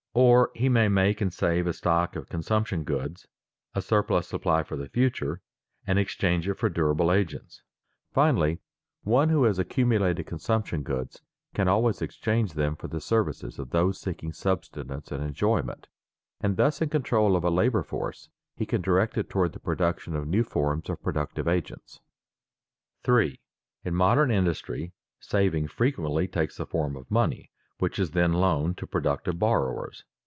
Or he may make and save a stock of consumption goods, a surplus supply for the future, and exchange it for durable agents. Finally, one who has accumulated consumption goods can always exchange them for the services of those seeking subsistence and enjoyment; and thus in control of a labor force, he can direct it toward the production of new forms of productive agents. [Sidenote: Money savings are converted into other wealth] 3. _In modern industry, saving frequently takes the form of money, which is then loaned to productive borrowers.